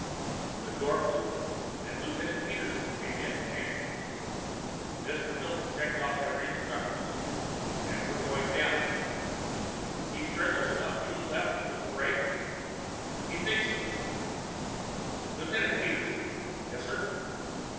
The door flew open and Lieutenant Peterson came in, panting. "Mr. Milton checked off every instruction, sir, and we're going down now." "He's sure there's enough fuel left for the brake?" "He thinks so, sir." "Lieutenant Peterson." "Yes sir?"